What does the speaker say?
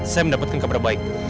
saya mendapatkan kabar baik